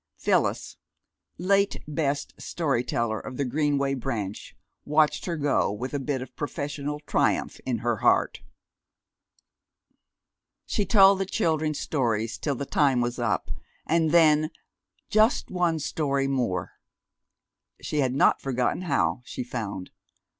Phyllis, late best story teller of the Greenway Branch, watched her go with a bit of professional triumph in her heart. She told the children stories till the time was up, and then "just one story more." She had not forgotten how, she found.